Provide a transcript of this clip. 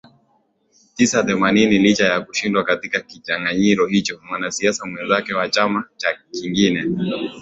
tisa themanini Licha ya kushindwa katika kinyanganyiro hicho mwanasiasa mwenzake wa chama cha kingine